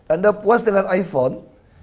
anda puas dengan iphone